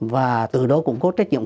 và từ đó cũng có trách nhiệm